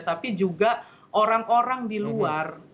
tapi juga orang orang di luar